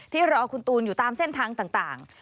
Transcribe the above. รอคุณตูนอยู่ตามเส้นทางต่าง